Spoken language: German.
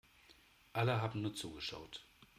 Alle haben nur zugeschaut.